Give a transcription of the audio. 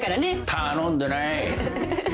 頼んでない。